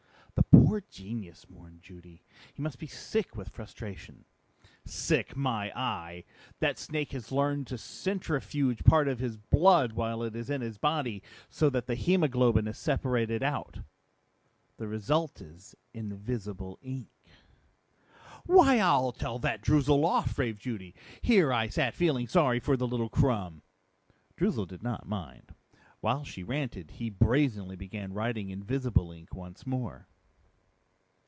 "The poor genius," mourned Judy. "He must be sick with frustration." "Sick, my eye! That snake has learned to centrifuge part of his blood while it is in his body, so that the hemoglobin is separated out. The result is invisible ink!" "Why, I'll tell that Droozle off!" raved Judy. "Here I sat feeling sorry for the little crumb!" Droozle did not mind. While she ranted, he brazenly began writing in visible ink once more.